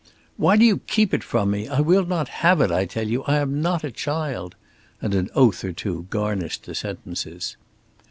"Why do you keep it from me? I will have it, I tell you. I am not a child," and an oath or two garnished the sentences.